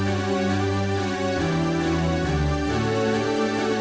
iya aku mau ke cidahu